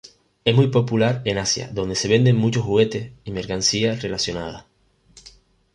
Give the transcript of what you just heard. Es muy popular en Asia donde se venden muchos juguetes y mercancía relacionada.